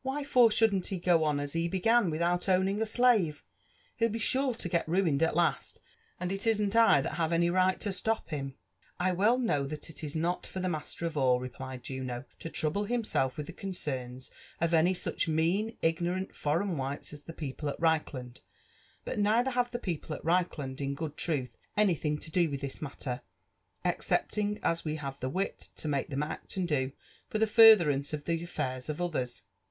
Why for shouldn't he go on as he began, without owning a slave? He'll be sure to get ruined at last, and it isn't I that have any right to slop him." I well know that it is not for the master of all," replied Juno, "lo trouble himself with the conf ems of any such mean, ignorant, foreign whites as the people at ReiclAnd : but neither have the people at^ Reichland, in good trulh, anything to do with this matter, excepting as we have the wit to make them act and do for the furtherance of the affairs of others.